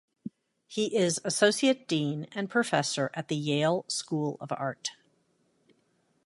He is Associate Dean and professor at the Yale School of Art.